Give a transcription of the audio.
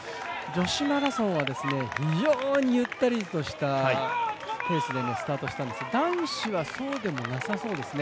女子マラソンは非常にゆったりとしたペースでスタートしたんですけども、男子はそうでもなさそうですね。